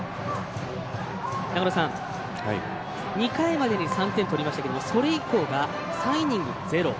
長野さん、２回までに３点を取りましたけどもそれ以降が、３イニングゼロ。